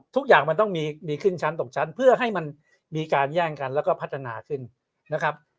ทุกอย่างมันต้องมีขึ้นชั้นตกชั้นเพื่อให้มันมีการแย่งกันแล้วก็พัฒนาขึ้นนะครับ